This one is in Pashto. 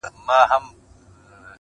په اتڼ به سي ور ګډ د څڼورو!